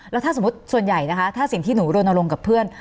แล้วถ้าสมมุติส่วนใหญ่นะคะถ้าสิ่งที่หนูรณรงค์กับเพื่อน